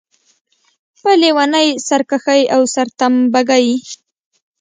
په لېونۍ سرکښۍ او سرتمبه ګۍ.